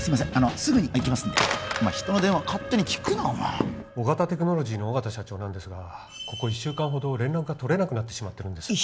すぐに行きますんで人の電話勝手に聞くなお前オガタテクノロジーの緒方社長なんですがここ１週間ほど連絡が取れなくなってしまってるんです１